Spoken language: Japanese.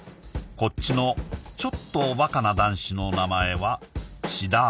こっちのちょっとおバカな男子の名前は志田葵